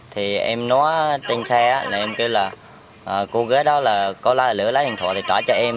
thì em nói trên xe là em kêu là cô ghế đó là cô lái điện thoại thì trả cho em